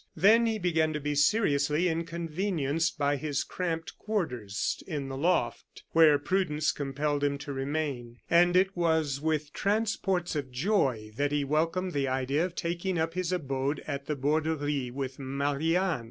Then he began to be seriously inconvenienced by his cramped quarters in the loft, where prudence compelled him to remain; and it was with transports of joy that he welcomed the idea of taking up his abode at the Borderie with Marie Anne.